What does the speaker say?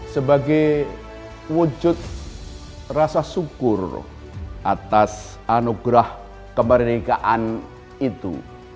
sebagai wujud rasa syukur atas anugerah kemerdekaan itu